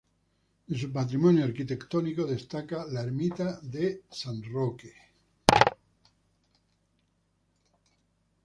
De su patrimonio arquitectónico destaca la ermita de San Roque.